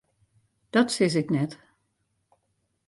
Dat sis ik net.